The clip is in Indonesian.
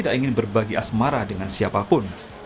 lagi asmara dengan siapapun